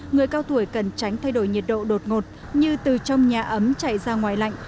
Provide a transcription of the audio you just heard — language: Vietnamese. người cao tuổi cần tránh thay đổi nhiệt độ đột ngột như từ trong nhà ấm chạy ra ngoài lạnh